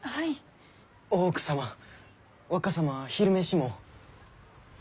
大奥様若様は昼飯も。